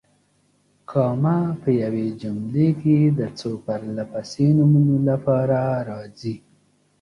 کامه په یوې جملې کې د څو پرله پسې نومونو لپاره راځي.